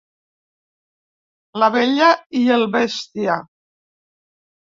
La bella i el bèstia.